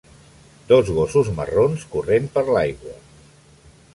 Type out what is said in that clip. Dos gossos marrons corrent per l'aigua.